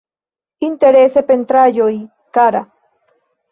Interesaj pentraĵoj, kara.